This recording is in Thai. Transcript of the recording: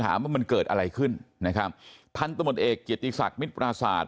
ว่ามันเกิดอะไรขึ้นนะครับพันธมตเอกเกียรติศักดิ์มิตรปราศาสตร์